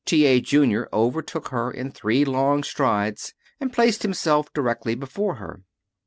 T. A. Junior overtook her in three long strides, and placed himself directly before her.